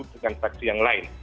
dengan saksi yang lain